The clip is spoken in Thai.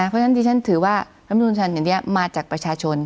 เพราะฉะนั้นที่ฉันถือว่ารัฐมนุนชันอย่างนี้มาจากประชาชน